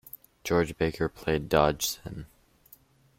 George Baker played Dodgson.